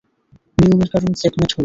নিয়মের কারণে চেকমেট হলো।